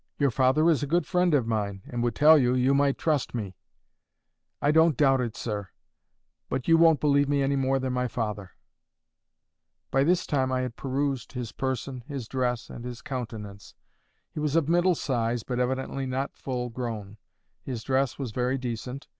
Your father is a good friend of mine, and would tell you you might trust me." "I don't doubt it, sir. But you won't believe me any more than my father." By this time I had perused his person, his dress, and his countenance. He was of middle size, but evidently not full grown. His dress was very decent.